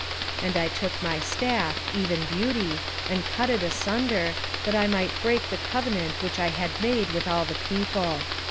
11:10 And I took my staff, even Beauty, and cut it asunder, that I might break my covenant which I had made with all the people.